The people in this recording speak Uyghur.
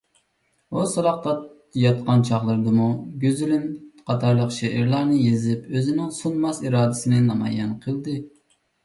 ئۇ سولاقتا ياتقان چاغلىرىدىمۇ «گۈزىلىم» قاتارلىق شېئىرلارنى يېزىپ، ئۆزىنىڭ سۇنماس ئىرادىسىنى نامايان قىلدى.